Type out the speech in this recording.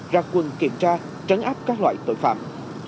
ra quân kiểm tra trấn áp các loại tội phạm